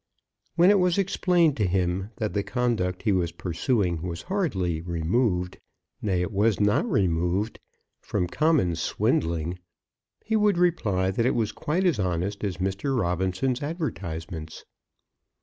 When it was explained to him that the conduct he was pursuing was hardly removed, nay, it was not removed, from common swindling, he would reply that it was quite as honest as Mr. Robinson's advertisements.